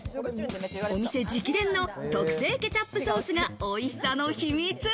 お店直伝の特製ケチャップソースがおいしさの秘密。